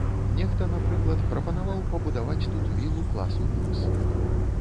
Нехта, напрыклад, прапанаваў пабудаваць тут вілу класу люкс.